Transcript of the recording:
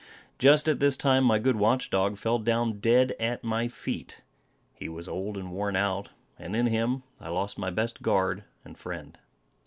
Just at this time my good watch dog fell down dead at my feet. He was old and worn out, and in him I lost my best guard and friend.